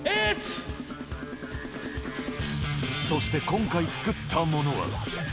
そして、今回作ったものは。